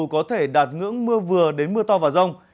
có thể đạt ngưỡng mưa vừa đến mưa to và rông